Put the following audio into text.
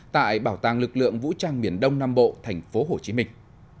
tại bảo tàng lực lượng vũ trang miền đông nam bộ thành phố hồ chí minh